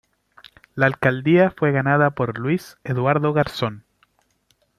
La alcaldía fue ganada por Luis Eduardo Garzón.